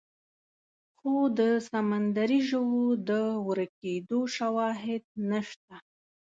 خو د سمندري ژوو د ورکېدو شواهد نشته.